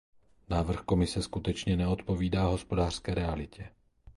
Návrh Komise skutečně neodpovídá hospodářské realitě.